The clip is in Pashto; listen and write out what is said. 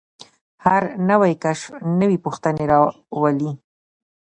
هر نوی کشف نوې پوښتنې راولي.